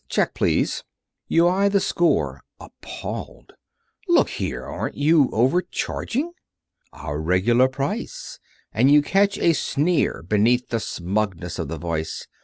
Check, please." You eye the score, appalled. "Look here! Aren't you over charging!" "Our regular price," and you catch a sneer beneath the smugness of the Voice.